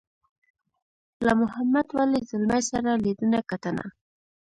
له محمد ولي ځلمي سره لیدنه کتنه.